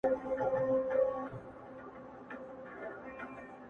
په دعا سو د امیر او د خپلوانو!.